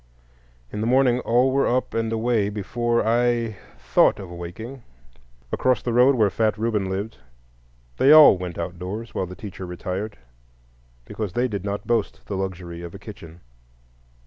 In the morning all were up and away before I thought of awaking. Across the road, where fat Reuben lived, they all went outdoors while the teacher retired, because they did not boast the luxury of a kitchen.